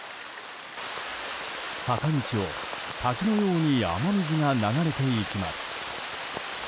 坂道を滝のように雨水が流れていきます。